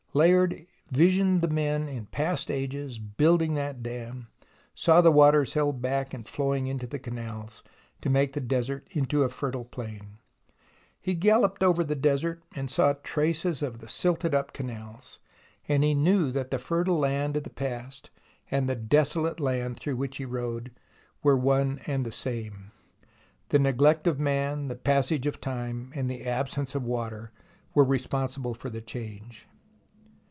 Layard visioned the men in past ages building that dam, saw the waters held back and flowing into the canals to make the desert into a fertile plain. He galloped over the desert and saw traces of the silted up canals, and he knew that the fertile land of the past and the desolate land through which he rode were one and the same. The neglect of man, the passage of time, and the absence of water were responsible for the change.